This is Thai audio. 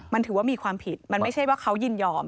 มันถือว่ามีความผิดมันไม่ใช่ว่าเขายินยอม